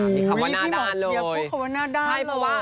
พี่บอกเจ๊บก็เขาว่านานด้านเลย